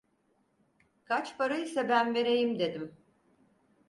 "Kaç para ise ben vereyim!" dedim.